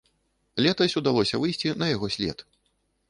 Летась удалося выйсці на яго след.